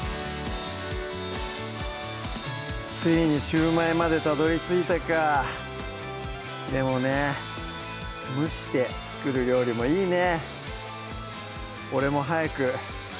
ついにシューマイまでたどり着いたかでもね蒸して作る料理もいいね